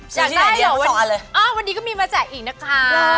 อยากได้เหรอวันนี้ก็มีมาแจกอีกนะคะ